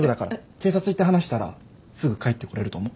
警察行って話したらすぐ帰ってこれると思う。